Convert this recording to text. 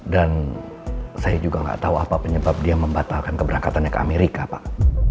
dan saya juga gak tahu apa penyebab dia membatalkan keberangkatannya ke amerika pak